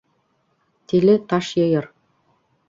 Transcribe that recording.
Тиле таш йыйыр.